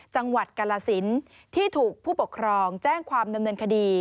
จังหวัดกละศิลป์ที่ถูกผู้ปกครองแจ้งความเดิมเดินคดี